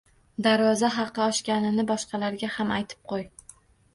Darvoza haqi oshganini boshqalarga ham aytib qo`y